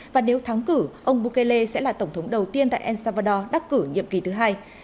và nếu thắng cử ông bukele sẽ là tổng thống đầu tiên tại el salvador đắc cử nhiệm kỳ thứ hai